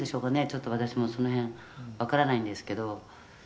「ちょっと私もその辺わからないんですけど」